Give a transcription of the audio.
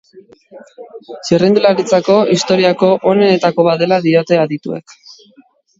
Txirrindularitzako historiako onenetako bat dela diote adituek.